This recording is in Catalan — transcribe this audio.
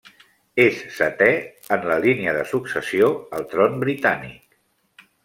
És setè en la línia de successió al tron britànic.